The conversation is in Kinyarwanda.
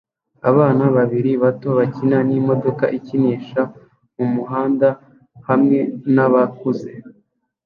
Abana babiri bato bakina n'imodoka ikinisha mu muhanda hamwe nabakuze